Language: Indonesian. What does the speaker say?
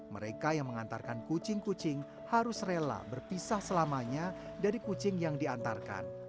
mereka yang mengantarkan kucing kucing harus rela berpisah selamanya dari kucing yang diantarkan